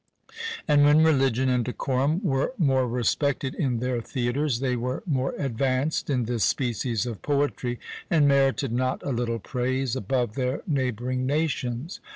And when religion and decorum were more respected in their theatres, they were more advanced in this species of poetry, and merited not a little praise, above their neighbouring nations.